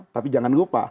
tapi jangan lupa